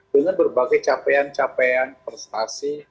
dengan berbagai capaian capaian prestasi